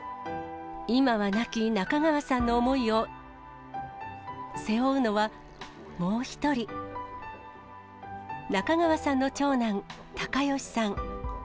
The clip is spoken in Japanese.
今は亡き中川さんの思いを背負うのはもう１人、中川さんの長男、貴能さん。